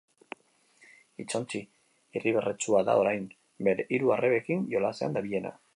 Hitzontzi irribarretsua da orain, bere hiru arrebekin jolasean dabilena.